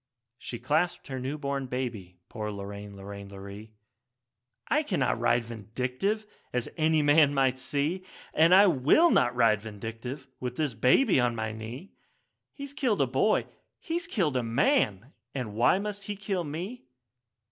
2 She clasped her new born baby, poor Lorraine, Lorraine, Lorree, 'I cannot ride Vindictive, as any man might see, And I will not ride Vindictive, with this baby on my knee; He's killed a boy, he's killed a man, and why must he kill me?'